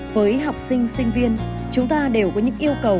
với học sinh sinh viên chúng ta đều có những yêu cầu